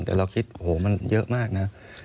แต่เราคิดโอ้โหมันเยอะมากนะ